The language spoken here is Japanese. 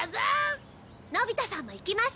のび太さんも行きましょうよ！